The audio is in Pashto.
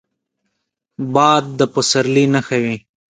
باد د پسرلي نښه وي